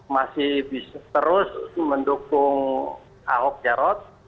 masih bisa terus mendukung ahok jarot